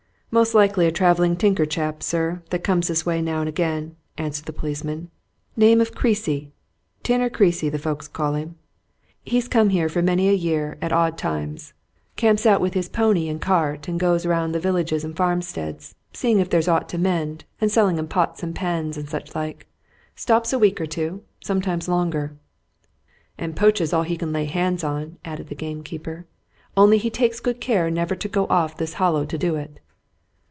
"Most likely a travelling tinker chap, sir, that comes this way now and again," answered the policeman. "Name of Creasy Tinner Creasy, the folks call him. He's come here for many a year, at odd times. Camps out with his pony and cart, and goes round the villages and farmsteads, seeing if there's aught to mend, and selling 'em pots and pans and such like. Stops a week or two sometimes longer." "And poaches all he can lay hands on," added the gamekeeper. "Only he takes good care never to go off this Hollow to do it."